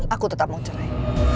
aku tetap mau cerai